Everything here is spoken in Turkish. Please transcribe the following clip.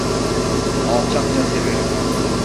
Alçakça severim.